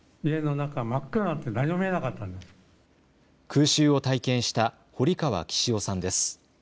空襲を体験した堀川喜四雄さんです。